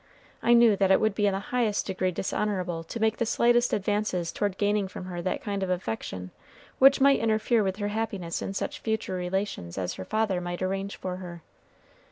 I knew that it would be in the highest degree dishonorable to make the slightest advances toward gaining from her that kind of affection which might interfere with her happiness in such future relations as her father might arrange for her.